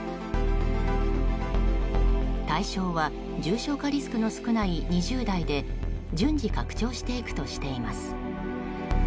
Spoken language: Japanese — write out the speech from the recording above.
対象は重症化リスクの少ない２０代で順次拡張していくとしています。